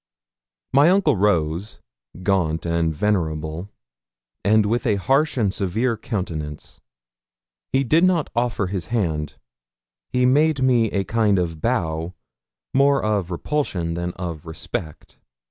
My uncle rose, gaunt and venerable, and with a harsh and severe countenance. He did not offer his hand; he made me a kind of bow, more of repulsion than of respect.